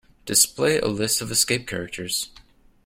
Display a list of escape characters.